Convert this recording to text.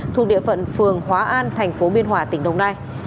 thuộc địa phận phường hóa an thành phố biên hòa tỉnh đồng nai